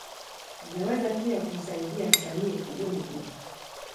Zinaweza pia kumsaidia msanii kubuni kitu.